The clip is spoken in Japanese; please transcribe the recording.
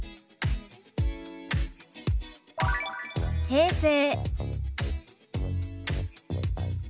「平成」。